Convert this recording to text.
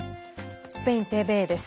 スペインＴＶＥです。